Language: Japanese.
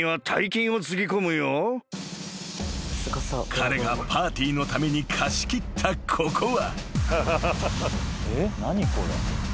［彼がパーティーのために貸し切ったここは］